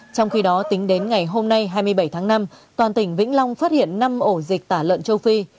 trong khi đó tính đến ngày hôm nay hai mươi bảy tháng năm toàn tỉnh vĩnh long phát hiện năm ổ dịch tả lợn châu phi